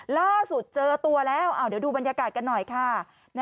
ล่าสุดเจอตัวแล้วเดี๋ยวดูบรรยากาศกันหน่อยค่ะ